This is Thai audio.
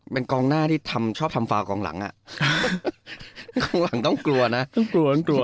เป็นกองหน้าที่ทำชอบทำฟาวกองหลังอ่ะข้างหลังต้องกลัวนะต้องกลัวต้องกลัว